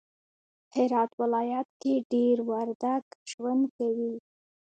هرات ولایت کی دیر وردگ ژوند کوی